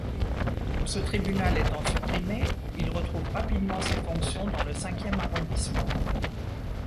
Ce tribunal étant supprimé, il retrouve rapidement ses fonctions dans le cinquième arrondissement.